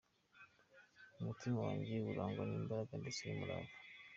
Umutima wawe urangwa n’imbaraga ndetse n’umurava .